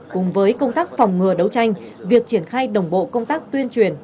cùng với công tác phòng ngừa đấu tranh việc triển khai đồng bộ công tác tuyên truyền